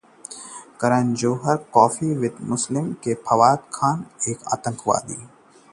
करण जौहर के show 'coffee with Karan' में फवाद खान होंगे पहले गेस्ट